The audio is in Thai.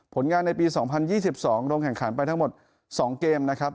ผลงานในปีสองพันยี่สิบสองรงแข่งขันไปทั้งหมดสองเกมนะครับ